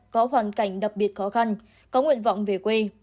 có hoàn cảnh đặc biệt khó khăn có nguyện vọng về quê